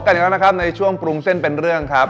อีกแล้วนะครับในช่วงปรุงเส้นเป็นเรื่องครับ